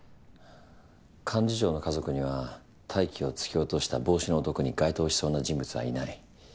幹事長の家族には泰生を突き落とした帽子の男に該当しそうな人物はいない。